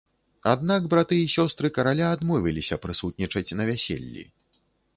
Аднак браты і сёстры караля адмовіліся прысутнічаць на вяселлі.